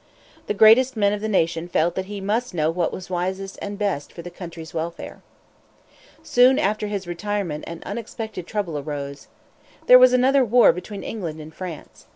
The greatest men of the nation felt that he must know what was wisest and best for the country's welfare. Soon after his retirement an unexpected trouble arose. There was another war between England and France.